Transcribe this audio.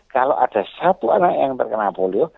kalau ada satu anak yang terkena polio